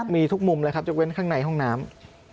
มีทุกมุมเลยครับยกเว้นข้างในห้องน้ำ